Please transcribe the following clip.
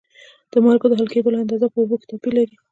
د مالګو د حل کیدلو اندازه په اوبو کې توپیر لري.